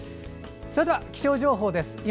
それでは気象情報です。